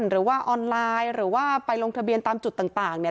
หรือว่าออนไลน์หรือว่าไปลงทะเบียนตามจุดต่างเนี่ย